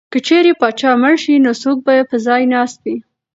که چېرې پاچا مړ شي نو څوک به ځای ناستی وي؟